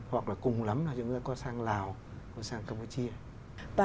hoặc là cùng lắm là chúng tôi có sang lào có sang campuchia